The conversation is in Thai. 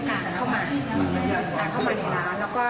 เขาก็จะเข้ามาคุยมาคุยนึงนึงนั้นแล้วก็จะถาม